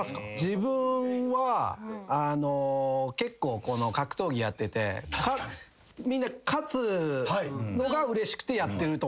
自分は結構この格闘技やっててみんな勝つのがうれしくてやってると思ってる。